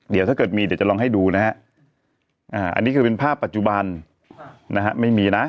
เดี๋ยวถ้าเกิดมีเดี๋ยวจะลองให้ดูนะฮะอันนี้คือเป็นภาพปัจจุบันนะฮะไม่มีนะ